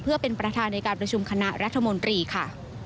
เพื่อเป็นประธานในการประชุมคณะรัฐมนตรีค่ะ